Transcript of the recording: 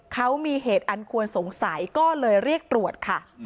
เขามีเหตุอันควรสงสัยก็เลยเรียกตรวจค่ะ